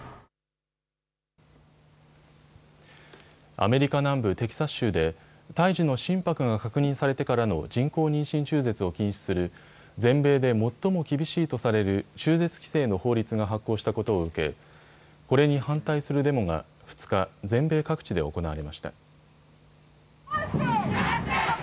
アメリカ南部テキサス州で胎児の心拍が確認されてからの人工妊娠中絶を禁止する全米で最も厳しいとされる中絶規制の法律が発効したことを受け、これに反対するデモが２日、全米各地で行われました。